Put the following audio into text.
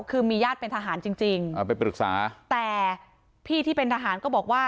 คือมีญาติเป็นทหารจริงจริงเอาไปปรึกษาแต่พี่ที่เป็นทหารก็บอกว่า